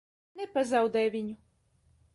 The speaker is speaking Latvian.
Nepazaudē viņu!